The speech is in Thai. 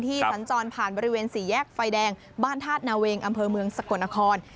สัญจรผ่านบริเวณสี่แยกไฟแดงบ้านธาตุนาเวงอำเภอเมืองสกลนคร